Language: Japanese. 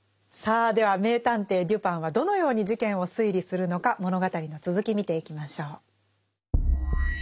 さあでは名探偵デュパンはどのように事件を推理するのか物語の続き見ていきましょう。